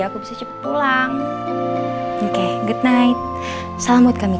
aku sudah di tempat